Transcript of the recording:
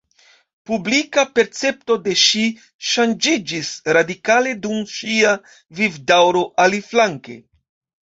Publika percepto de ŝi ŝanĝiĝis radikale dum ŝia vivdaŭro, aliflanke.